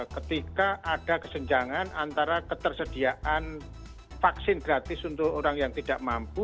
ketika ada kesenjangan antara ketersediaan vaksin gratis untuk orang yang tidak mampu